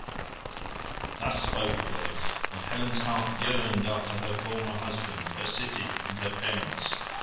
Thus spoke the goddess, and Helen's heart yearned after her former husband, her city, and her parents.